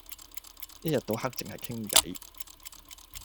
一日到黑淨係傾計